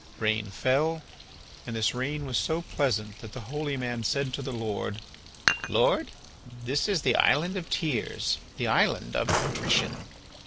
Rain fell, and this rain was so pleasant that the holy man said to the Lord: "Lord, this is the island of tears, the island of contrition."